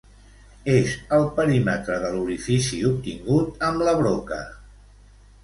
És el perímetre de l'orifici obtingut amb la broca.